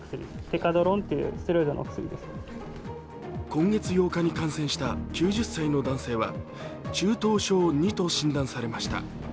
今月８日に感染した９０歳の男性は中等症Ⅱと診断されました。